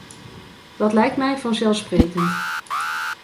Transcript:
Dat lijkt mij vanzelfsprekend.